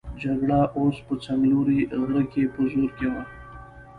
جګړه اوس په څنګلوري غره کې په زور کې وه.